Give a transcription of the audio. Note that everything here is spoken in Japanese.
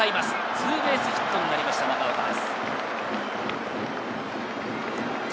ツーベースヒットになりました、長岡です。